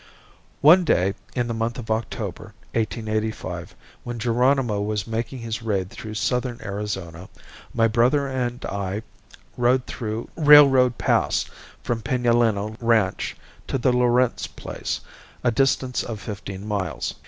One day in the month of October, 1885, while Geronimo was making his raid through southern Arizona, my brother and I rode through Railroad Pass from Pinaleno ranch to the Lorentz Place, a distance of fifteen miles.